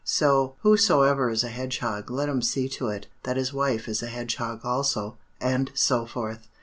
So whosoever is a hedgehog let him see to it that his wife is a hedgehog also, and so forth.